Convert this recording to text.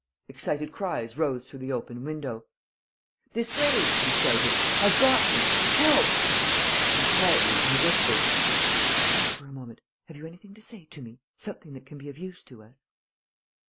Excited cries rose through the open window. "This way!" he shouted. "I've got them! Help!" And, quietly, in a whisper: "Just think for a moment.... Have you anything to say to me?... Something that can be of use to us?"